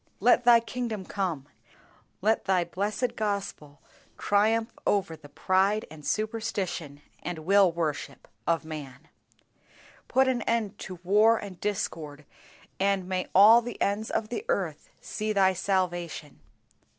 Let Thy kingdom come, let Thy blessed Gospel triumph over the pride and superstition and will worship of man. Put an end to war and discord, and may all the ends of the earth see Thy salvation.